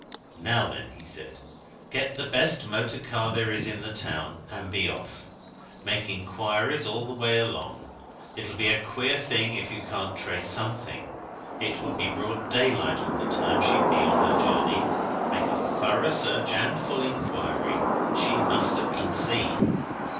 "Now then!" he said, "get the best motor car there is in the town, and be off! Make inquiries all the way along; it'll be a queer thing if you can't trace something it would be broad daylight all the time she'd be on her journey. Make a thorough search and full inquiry she must have been seen."